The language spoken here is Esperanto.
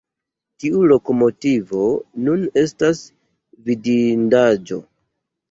Tiu lokomotivo nun estas vidindaĵo.